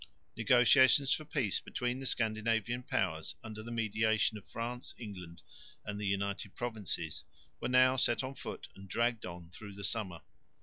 Negotiations for peace between the Scandinavian powers under the mediation of France, England and the United Provinces, were now set on foot and dragged on through the summer.